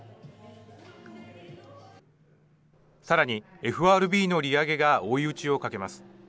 さらに、ＦＲＢの利上げが追い打ちをかけます。